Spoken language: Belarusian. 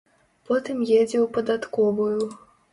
Потым едзе ў падатковую.